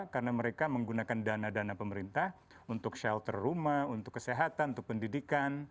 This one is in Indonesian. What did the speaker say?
karena mereka menggunakan dana dana pemerintah untuk shelter rumah untuk kesehatan untuk pendidikan